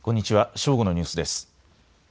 正午のニュースです。